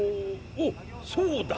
おっそうだ。